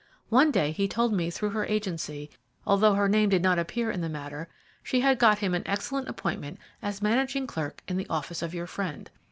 One day he told me that through her agency, although her name did not appear in the matter, she had got him an excellent appointment as managing clerk in the office of your friend."